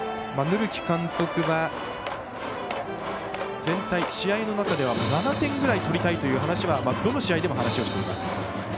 塗木監督は、全体、試合の中では７点ぐらい取りたいという話はどの試合でも話をしています。